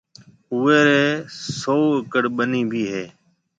اُوئي رِي سئو ايڪڙ ٻنِي ڀِي هيَ۔